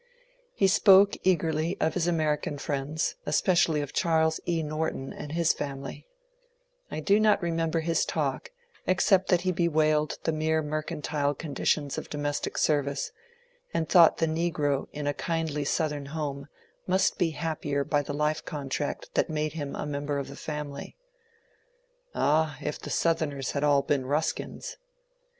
He spoke eagerly of his American friends, especially of Charles E. Norton and his family. I do not remember his talk except that he bewailed the mere mercantile conditions of domestic service, and thought the negro in a kindly South ern home must be happier by the life contract that made him Suskins